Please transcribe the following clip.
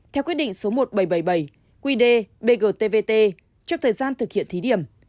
theo quyết định số một nghìn bảy trăm bảy mươi bảy qd bgtvt trong thời gian thực hiện thí điểm